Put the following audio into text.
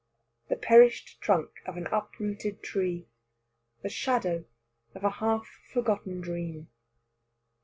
The perished trunk of an uprooted tree: the shadow of a half forgotten dream.